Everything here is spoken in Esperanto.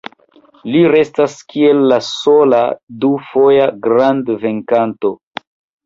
Li restas kiel la sola du-foja grand-venkanto.